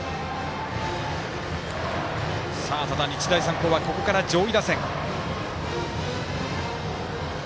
ただ、日大三高はここから上位打線。